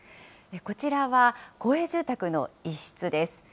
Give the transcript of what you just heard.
こちらは公営住宅の一室です。